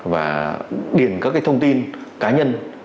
và điền các thông tin cá nhân